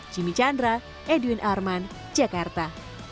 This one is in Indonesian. jimmy chandra edwin arman jakarta